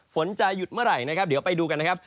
ฝนจะหยุดเมื่อไหร่นะครับเดี๋ยวไปดูกันนะครับ